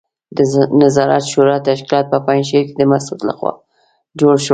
د نظار شورا تشکیلات په پنجشیر کې د مسعود لخوا جوړ شول.